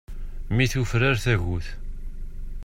Mi tufrar tagut.